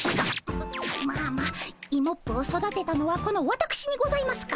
ままあまあイモップを育てたのはこのわたくしにございますから。